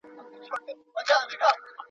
مُلا وویل سلطانه ستا قربان سم